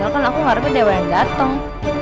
yah kan aku ngarep ke dewa yang datang